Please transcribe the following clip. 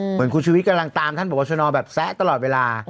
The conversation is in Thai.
เหมือนคุณชุวิตกำลังตามท่านบอกว่าชนแบบแซะตลอดเวลา